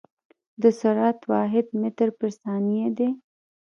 د سرعت واحد متر پر ثانیه دی.